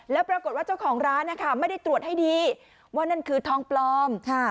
แล้วปรากฏว่าเจ้าของร้านนะคะไม่ได้ตรวจให้ดีว่านั่นคือทองปลอม